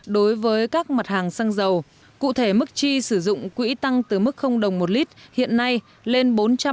đối với các mặt hàng xăng dầu cụ thể mức chi sử dụng quỹ tăng từ mức đồng một lit hiện nay lên